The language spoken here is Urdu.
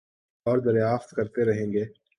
اوردریافت کرتے رہیں گے